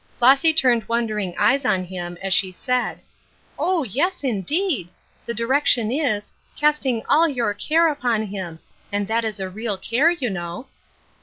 Flossy turned wondering eyes on liim, as she said, " Oh, yes, indeed ! The direction is, * Cast ing all your care upon liim,' and that is a real care, you know."